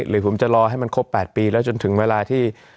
หรือผมจะรอให้มันครบ๘ปีแล้วจนถึงเวลาที่